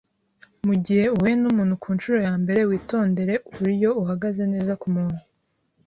Mugihe uhuye numuntu kunshuro yambere, witondere uburyo uhagaze neza kumuntu.